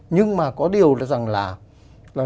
nhưng mà có điều là rằng là